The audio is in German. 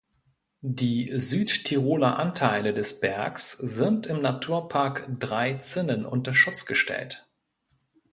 Die Südtiroler Anteile des Bergs sind im Naturpark Drei Zinnen unter Schutz gestellt.